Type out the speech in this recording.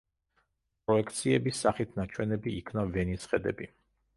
პროექციების სახით ნაჩვენები იქნა ვენის ხედები.